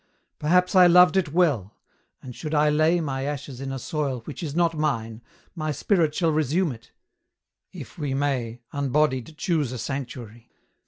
Perhaps I loved it well: and should I lay My ashes in a soil which is not mine, My spirit shall resume it if we may Unbodied choose a sanctuary.